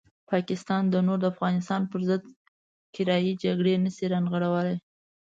پاکستان نور د افغانستان پرضد کرایي جګړې نه شي رانغاړلی.